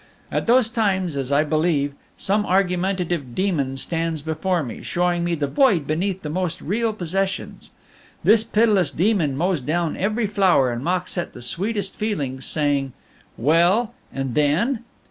At those times as I believe some argumentative demon stands before me, showing me the void beneath the most real possessions. This pitiless demon mows down every flower, and mocks at the sweetest feelings, saying: 'Well and then?'